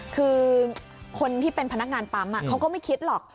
คือคนที่เป็นพนักงานปั๊มเขาก็ไม่คิดหรอก